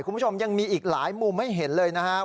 คุณผู้ชมยังมีอีกหลายมุมให้เห็นเลยนะครับ